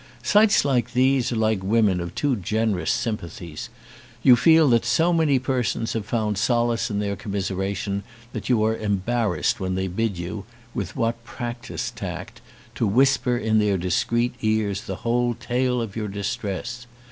Sights like these are like women of too generous sympathies: you feel that so many persons have found solace in their commiseration that you are embarrassed when they bid you, with what practised tact, to whisper in their discreet ears the whole tale of your distress.